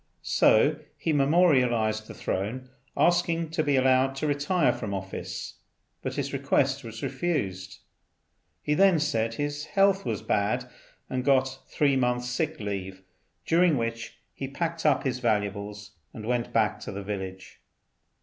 So he memorialized the Throne, asking to be allowed to retire from office, but his request was refused. He then said his health was bad, and got three months' sick leave, during which he packed up his valuables and went back to the village.